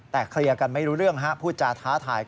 แต่เคลียร์ก็ไม่รู้เรื่องห๊ะ